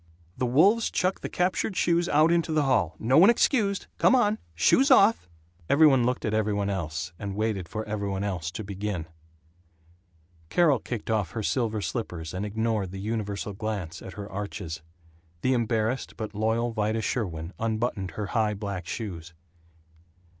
The wolves chuck the captured shoes out into the hall. No one excused! Come on! Shoes off!" Every one looked at every one else and waited for every one else to begin. Carol kicked off her silver slippers, and ignored the universal glance at her arches. The embarrassed but loyal Vida Sherwin unbuttoned her high black shoes.